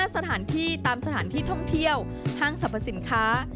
สถานที่ตามสถานที่ท่องเที่ยวห้างสรรพสินค้า